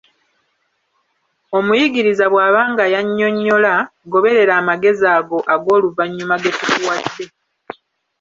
Omuyigiriza bw'abanga y'annyonnyola, goberera amagezi ago ag'oluvannyuma ge tukuwadde.